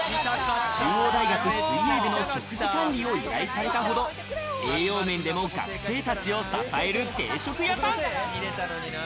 中央大学・水泳部の食事管理を依頼されたほど、栄養面でも学生たちを支える定食屋さん。